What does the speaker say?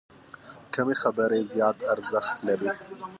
کمې خبرې، زیات ارزښت لري.